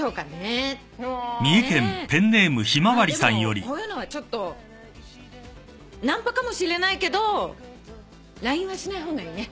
まあでもこういうのはちょっとナンパかもしれないけどＬＩＮＥはしない方がいいね。